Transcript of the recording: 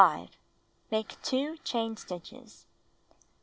Make 2 chain stitches.